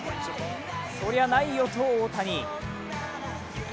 そりゃないよ、と大谷。